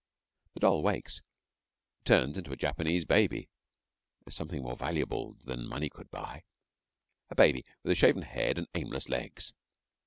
The doll wakes, turns into a Japanese baby something more valuable than money could buy a baby with a shaven head and aimless legs.